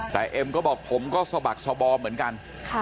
แต่เอ็มก็บอกผมก็สะบักสบอมเหมือนกัน